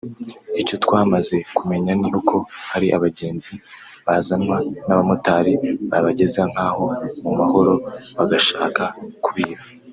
Icyo twamaze kumenya ni uko hari abagenzi bazanwa n’abamotari babageza nk’aho mu Mahoro bagashaka kubiba